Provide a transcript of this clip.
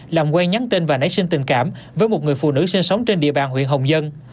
làm quen nhắn tin và nảy sinh tình cảm với một người phụ nữ sinh sống trên địa bàn huyện hồng dân